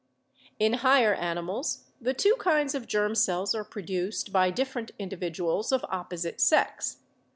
In higher animals the two kinds of germ cells are produced by different individu als of opposite sex.